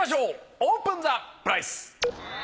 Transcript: オープンザプライス。